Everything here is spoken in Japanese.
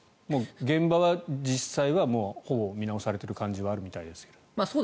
現場は実際はもうほぼ見直されてる感じはあるみたいですが。